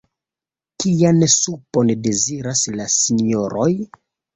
Kian supon deziras la Sinjoroj?